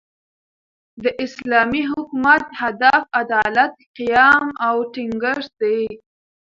د اسلامي حکومت، هدف عدالت، قیام او ټینګښت دئ.